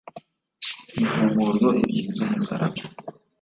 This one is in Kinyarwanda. Imfunguzo ebyiri z’umusaraba,